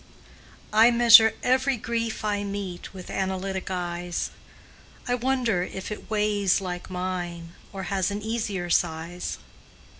I measure every grief I meet With analytic eyes; I wonder if it weighs like mine, Or has an easier size.